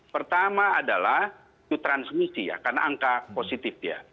pertama adalah itu transmisi ya karena angka positif ya